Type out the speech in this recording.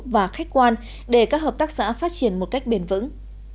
và khách quan để các hợp tác xã phát triển một cách bền vững